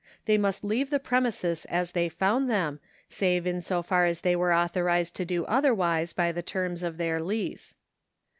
They must leave the premises as they found them, save in so far as they were authorised to do otherwise by the terms of their lease.